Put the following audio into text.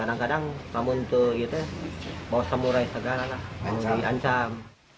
kadang kadang kamu untuk bawa samurai segala mau di ancam